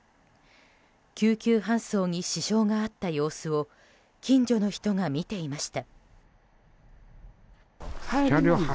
救急搬送に支障があった様子を近所の人が見ていました。